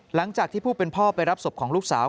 หลังจากที่ผู้เป็นพ่อไปรับศพของลูกสาว